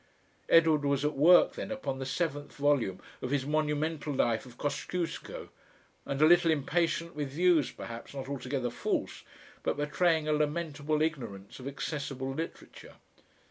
Edward was at work then upon the seventh volume of his monumental Life of Kosciusko, and a little impatient with views perhaps not altogether false but betraying a lamentable ignorance of accessible literature.